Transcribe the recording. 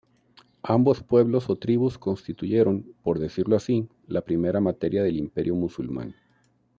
Ambos pueblos o tribus constituyeron, por decirlo así, la primera materia del imperio musulmán.